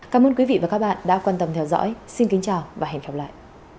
cảm ơn quý vị và các bạn đã quan tâm theo dõi xin kính chào và hẹn gặp lại